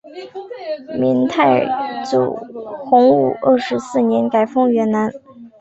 明太祖洪武二十四年改封云南。